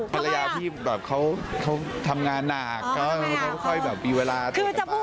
ภรรยาพี่แบบเขาทำงานหนักเขาค่อยแบบมีเวลาตรวจกลับบ้าน